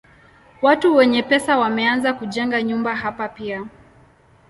Watu wenye pesa wameanza kujenga nyumba hapa pia.